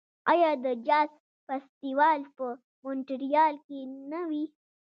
آیا د جاز فستیوال په مونټریال کې نه وي؟